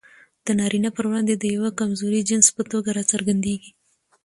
د نارينه پر وړاندې د يوه کمزوري جنس په توګه راڅرګندېږي.